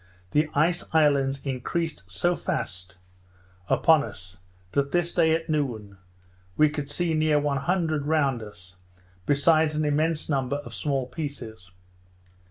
the ice islands increased so fast upon us, that this day, at noon, we could see near 100 round us, besides an immense number of small pieces.